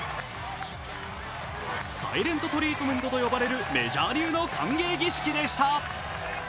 サイレント・トリートメントと呼ばれるメジャー流の歓迎儀式でした。